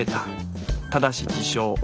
ただし自称。